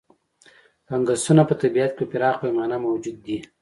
فنګسونه په طبیعت کې په پراخه پیمانه موجود دي.